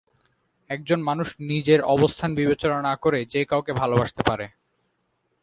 একজন মানুষ নিজের অবস্থান বিবেচনা না করে যে কাউকে ভালোবাসতে পারে।